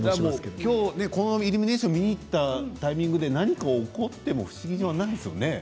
きょうこのイルミネーションを見に行ったタイミングで、何か起こっても不思議じゃないですけれどもね。